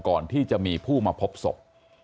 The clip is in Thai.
ก่อนที่จะมีผู้มาพบศพ